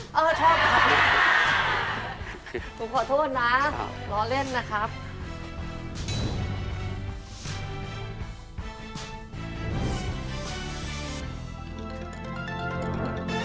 ผมขอโทษนะล้อเล่นนะครับครับ